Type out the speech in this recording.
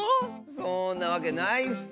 そんなわけないッス！